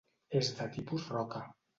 És de tipus roca.